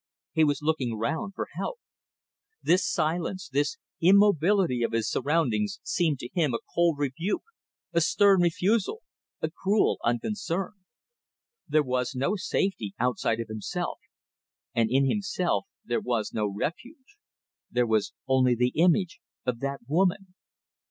He was looking round for help. This silence, this immobility of his surroundings seemed to him a cold rebuke, a stern refusal, a cruel unconcern. There was no safety outside of himself and in himself there was no refuge; there was only the image of that woman.